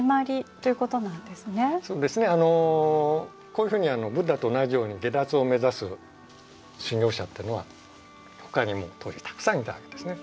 こういうふうにブッダと同じように解脱を目指す修行者っていうのはほかにも当時たくさんいたわけですね。